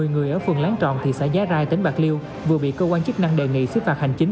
một mươi người ở phường láng tròn thị xã giá rai tỉnh bạc liêu vừa bị cơ quan chức năng đề nghị xứ phạt hành chính